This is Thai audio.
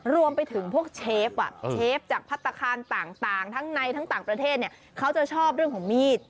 รวมไปถึงพวกเชฟเชฟจากพัฒนาคารต่างทั้งในทั้งต่างประเทศเขาจะชอบเรื่องของมีด